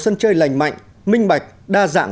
sân chơi lành mạnh minh bạch đa dạng